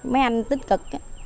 mấy anh tích cực